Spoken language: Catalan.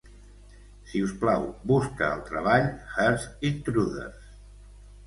Si us plau, busca el treball "Earth Intruders".